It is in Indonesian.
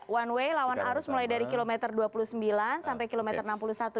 one way lawan arus mulai dari kilometer dua puluh sembilan sampai kilometer enam puluh satu